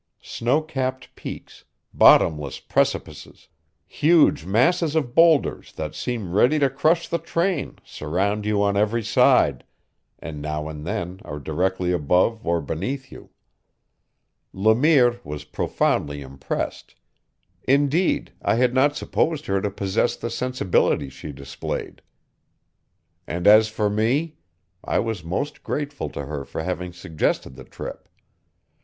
Snow capped peaks, bottomless precipices, huge masses of boulders that seem ready to crush the train surround you on every side, and now and then are directly above or beneath you. Le Mire was profoundly impressed; indeed, I had not supposed her to possess the sensibility she displayed; and as for me, I was most grateful to her for having suggested the trip.